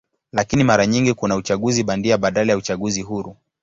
Lakini mara nyingi kuna uchaguzi bandia badala ya uchaguzi huru.